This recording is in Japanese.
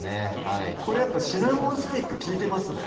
これやっぱシナモンスティック利いてますね